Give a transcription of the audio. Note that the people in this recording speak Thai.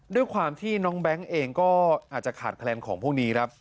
ด้วยความที่น้องแบงค์เองก็อาจจะขาดแคลนของพวกนี้ครับ